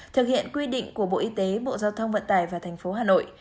thực hiện quy định của bộ y tế bộ giao thông vận tải và tp hà nội